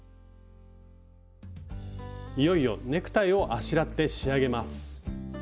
いよいよネクタイをあしらって仕上げます。